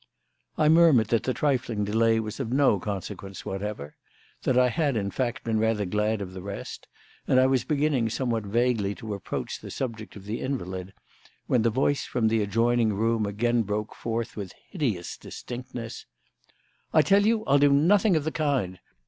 I murmured that the trifling delay was of no consequence whatever; that I had, in fact, been rather glad of the rest; and I was beginning somewhat vaguely to approach the subject of the invalid when the voice from the adjoining room again broke forth with hideous distinctness. "I tell you I'll do nothing of the kind!